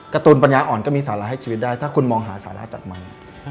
การ์ตูนปัญญาอ่อนก็มีสาระให้ชีวิตได้ถ้าคุณมองหาสาระจัดมัน